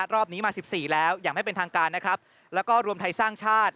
รอบนี้มา๑๔แล้วอย่างไม่เป็นทางการนะครับแล้วก็รวมไทยสร้างชาติ